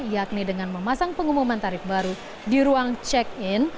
yakni dengan memasang pengumuman tarif baru di ruang check in